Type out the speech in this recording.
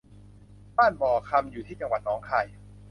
บ้านบ่อคำอยู่ที่จังหวัดหนองคาย